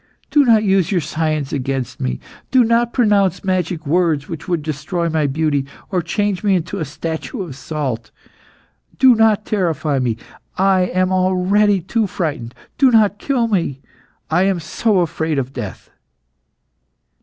Do not use your science against me. Do not pronounce magic words which would destroy my beauty, or change me into a statue of salt. Do not terrify me! I am already too frightened. Do not kill me! I am so afraid of death."